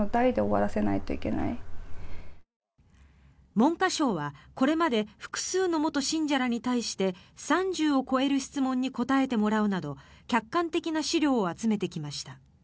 文科省はこれまで複数の元信者らに対して３０を超える質問に答えてもらうなど客観的な資料を集めてきました。